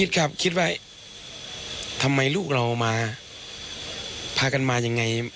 คิดครับคิดว่าทำไมลูกเรามาพากันมายังไง